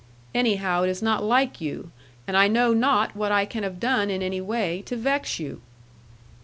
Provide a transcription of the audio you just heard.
'Anyhow, it is not like you. And I know not what I can have done in any way, to vex you.'